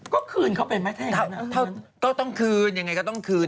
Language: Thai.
ก็คืนเขาไปไหมก็ต้องคืนยังไงก็ต้องคืน